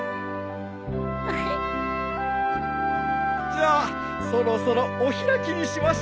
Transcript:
じゃあそろそろお開きにしましょうか。